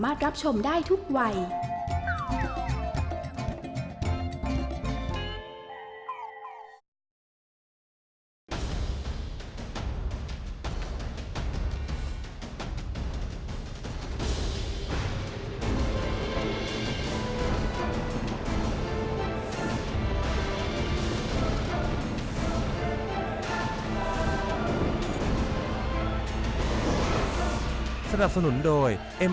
รับชมได้ทุกวัย